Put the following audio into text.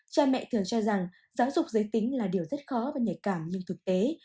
cha mẹ thường cho rằng giáo dục giới tính là điều rất khó và nhạy cảm nhưng thực tế